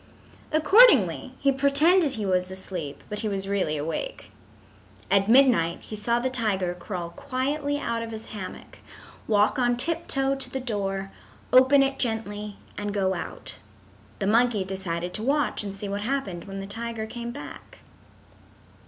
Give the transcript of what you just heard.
Accordingly he pretended he was asleep, but he was really awake. At midnight he saw the tiger crawl quietly out of his hammock, walk on tip toe to the door, open it gently, and go out. The monkey decided to watch and see what happened when the tiger came back.